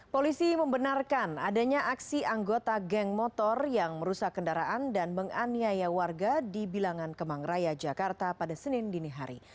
polisi membenarkan adanya aksi anggota geng motor yang merusak kendaraan dan menganiaya warga di bilangan kemang raya jakarta pada senin dini hari